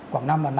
quảng nam là nạ